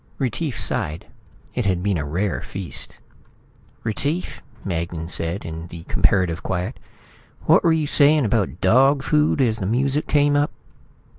Retief sighed. It had been a rare feast. "Retief," Magnan said in the comparative quiet, "what were you saying about dog food as the music came up?"